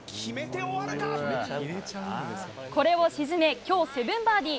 これを沈め今日７バーディー。